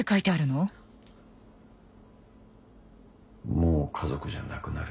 もう家族じゃなくなる。